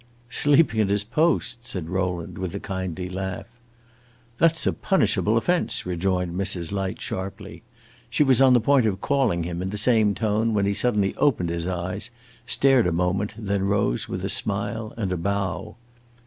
"Sleeping at his post!" said Rowland with a kindly laugh. "That 's a punishable offense," rejoined Mrs. Light, sharply. She was on the point of calling him, in the same tone, when he suddenly opened his eyes, stared a moment, and then rose with a smile and a bow.